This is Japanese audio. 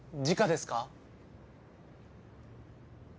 じかです。